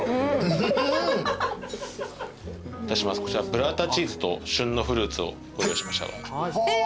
ブッラータチーズと旬のフルーツをご用意しました。